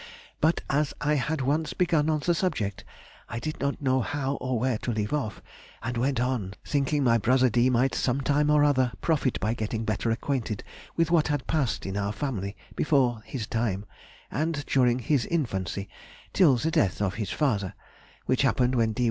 But as I had once begun the subject I did not know how or where to leave off, and went on, thinking my brother D. might some time or other profit by getting better acquainted with what had passed in our family before his time, and during his infancy, till the death of his father, which happened when D.